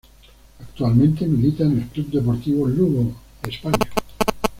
Actualmente milita en el Club Deportivo Lugo de España.